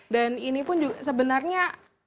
dan ini pun sebenarnya